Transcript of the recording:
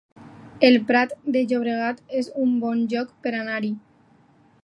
El Prat de Llobregat es un bon lloc per anar-hi